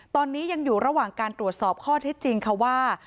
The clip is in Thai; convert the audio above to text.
ตอนนี้ยังอยู่ระหว่างการตรวจสอบข้อเท็จจริงค่ะว่า